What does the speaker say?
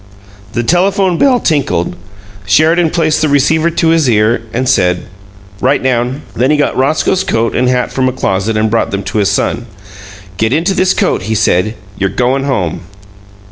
The telephone bell tinkled. Sheridan placed the receiver to his ear and said, "Right down." Then he got Roscoe's coat and hat from a closet and brought them to his son. "Get into this coat," he said. "You're goin' home."